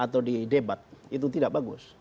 atau di debat itu tidak bagus